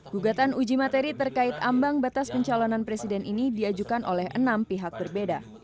gugatan uji materi terkait ambang batas pencalonan presiden ini diajukan oleh enam pihak berbeda